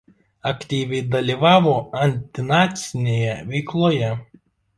Aktyviai dalyvavo antinacinėje veikloje.